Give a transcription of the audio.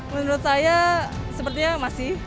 menurut saya sepertinya masih